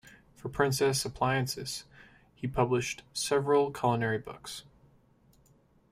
For Princess Appliances he published several culinary books.